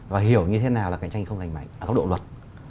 và hiểu như thế nào là cạnh tranh không lành mạnh ở góc độ luật